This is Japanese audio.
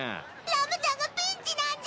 ラムちゃんがピンチなんじゃ。